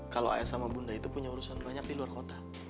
kalau ayah sama bunda itu punya urusan banyak di luar kota